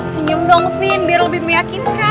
senyum dong fin biar lebih meyakinkan